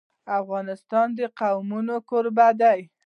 افغانستان د قومونه کوربه دی.